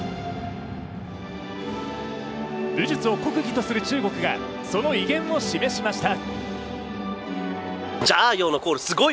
武術を国技とする中国がその威厳を示しました。